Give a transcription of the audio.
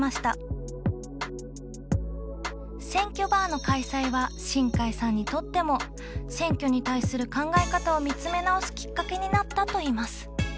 選挙バーの開催は新海さんにとっても選挙に対する考え方を見つめ直すキッカケになったといいます。